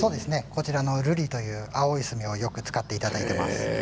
こちらの瑠璃という青い墨をよく使っていただいています。